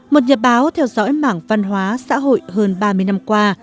một nhà báo theo dõi mảng văn hóa xã hội hơn ba mươi năm qua